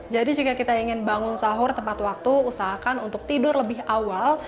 jadi jika kita ingin bangun sahur tempat waktu usahakan untuk tidur lebih awal